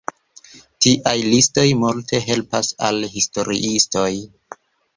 Tiaj listoj multe helpas al historiistoj.